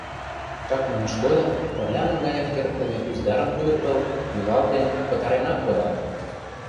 Чакнымышт годым пырля наҥгаен кертдыме ӱзгарым пудыртыл, йӱлалтен, пытаренак кодат.